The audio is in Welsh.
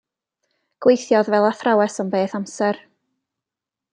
Gweithiodd fel athrawes am beth amser.